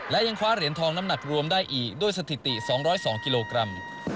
และยังคว้าเหรียญทองน้ำหนักรวมได้อีกด้วยสถิติ๒๐๒กิโลกรัม